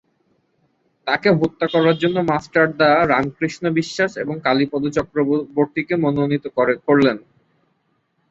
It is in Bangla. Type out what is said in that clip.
তাকে হত্যা করার জন্য মাষ্টার’দা রামকৃষ্ণ বিশ্বাস এবং কালীপদ চক্রবর্তীকে মনোনীত করলেন।